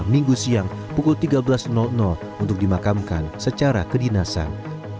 minggu siang pukul tiga belas untuk dimakamkan secara kedinasan